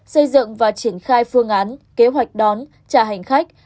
xây dựng và triển khai phương án kế hoạch đón trả hành khách